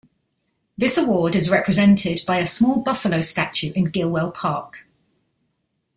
This award is represented by a small buffalo statue in Gilwell Park.